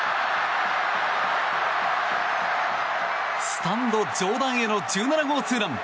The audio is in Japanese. スタンド上段への１７号ツーラン！